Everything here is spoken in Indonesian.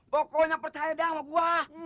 pokoknya percaya deh sama gue